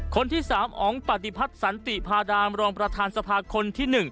คนที่๓อ๋องปฏิพัฒน์สันติพาดามรองประธานสภาคนที่๑